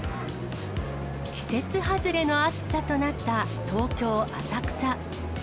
季節外れの暑さとなった東京・浅草。